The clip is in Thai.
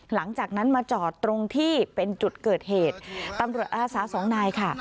หลังจากนั้นมาจอดตรงที่เป็นจุดเกิดเหตุตำรวจอาสาสองนายค่ะ